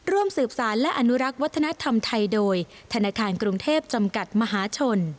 ร่วมสืบสารและอนุรักษ์วัฒนธรรมไทยโดยธนาคารกรุงเทพจำกัดมหาชน